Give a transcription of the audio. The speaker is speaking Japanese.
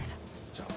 じゃあ。